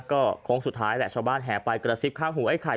ก็โค้งสุดท้ายแหละชาวบ้านแห่ไปกระซิบข้างหูไอ้ไข่